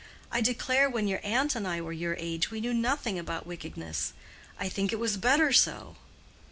I declare when your aunt and I were your age we knew nothing about wickedness. I think it was better so."